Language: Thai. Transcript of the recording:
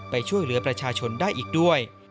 ไปช่วยเหลือประชาชนได้อีกด้วย